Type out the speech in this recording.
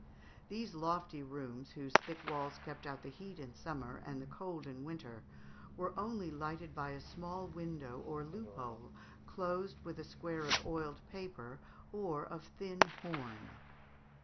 These lofty rooms, whose thick walls kept out the heat in summer, and the cold in winter, were only lighted by a small window or loophole, closed with a square of oiled paper or of thin horn.